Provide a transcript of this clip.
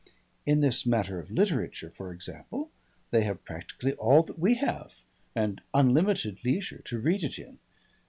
In this matter of literature, for example, they have practically all that we have, and unlimited leisure to read it in.